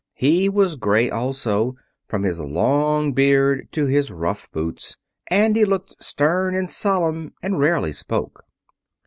He was gray also, from his long beard to his rough boots, and he looked stern and solemn, and rarely spoke.